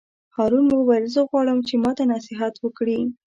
هارون وویل: زه غواړم چې ماته نصیحت وکړې.